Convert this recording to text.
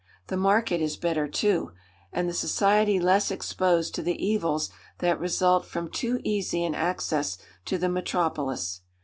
The market is better, too, and the society less exposed to the evils that result from too easy an access to the metropolis.